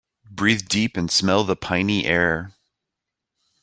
Breathe deep and smell the piny air.